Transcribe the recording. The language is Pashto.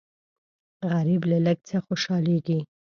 غریب له لږ څه خوشالېږي